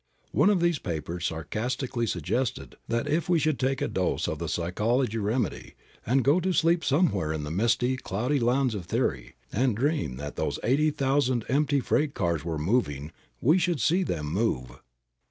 One of these papers sarcastically suggested that if we should take a dose of the psychology remedy and go to sleep somewhere in the misty, cloudy lands of theory, and dream that those eighty thousand empty freight cars were moving, we should see them move.